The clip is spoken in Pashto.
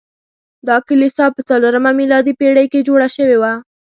دا کلیسا په څلورمه میلادي پیړۍ کې جوړه شوې وه.